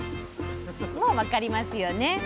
もう分かりますよね？